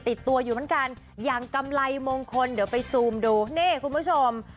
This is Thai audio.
ติดตัวอยู่เหมือนกันอย่างกำไรมงคลเดี๋ยวไปซูมดูนี่คุณผู้ชม